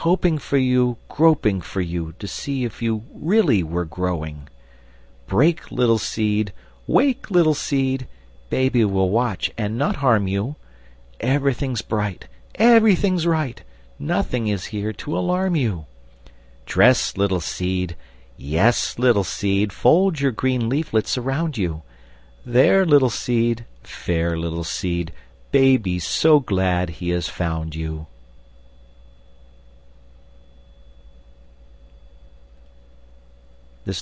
Hoping for you, groping for you, To see if you really were growing. Break, little seed! Wake, little seed! Baby will watch and not harm you. Everything's bright, everything's right, Nothing is here to alarm you. Dress, little seed! Yes, little seed, Fold your green leaflets around you; There, little seed! Fair little seed, Baby's so glad he has found you!